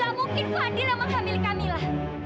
gak mungkin fadil yang menghamili kamilah